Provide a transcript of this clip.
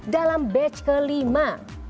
dalam batch kelima